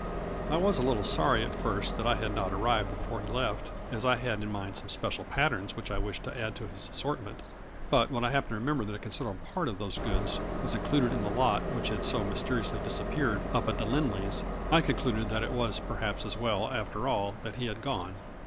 I was a little sorry at first that I had not arrived before he left, as I had in mind some special patterns which I wished to add to his assortment. But, when I happened to re member that a considerable part of those goods was included in the lot which had so mysteri ously disappeared up at the Lindley's, I con cluded that it was perhaps as well, after all, that he had gone.